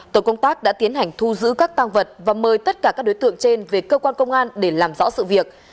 tổ công tác đã tiến hành thu giữ các tăng vật và mời tất cả các đối tượng trên về cơ quan công an để làm rõ sự việc